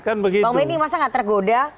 bang benny masa nggak tergoda